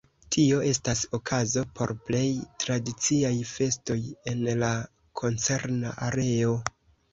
Tio estas okazo por plej tradiciaj festoj en la koncerna areo.